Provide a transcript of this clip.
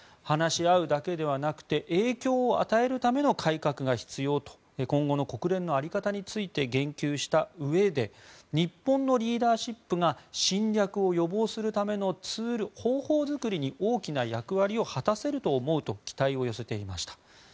話し合うだけではなくて影響を与えるための改革が必要と今後の国連の在り方について言及したうえで日本のリーダーシップが侵略を予防するためのツール方法作りに大きな役割を果たせると思うと期待を寄せていました。